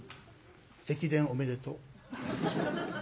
駅伝おめでとう。